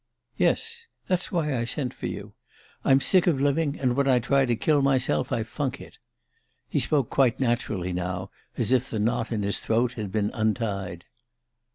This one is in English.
_" "Yes. That's why I sent for you. I'm sick of living, and when I try to kill myself I funk it." He spoke quite naturally now, as if the knot in his throat had been untied.